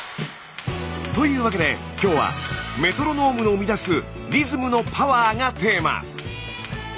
というわけで今日はメトロノームの生み出すリズムのパワーがテーマ。